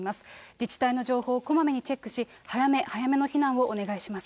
自治体の情報をこまめにチェックし、早め早めの避難をお願いしま